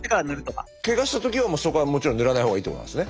けがした時はそこはもちろん塗らない方がいいってことなんですね。